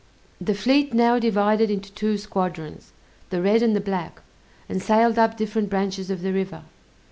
The fleet now divided into two squadrons (the red and the black) and sailed up different branches of the river.